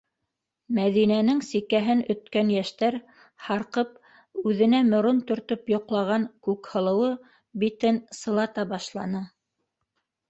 - Мәҙинәнең сикәһен өткән йәштәр, һарҡып, үҙенә морон төртөп йоҡлаған Күкһылыуы битен сылата башланы.